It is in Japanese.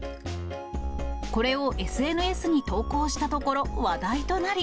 これをＳＮＳに投稿したところ話題となり。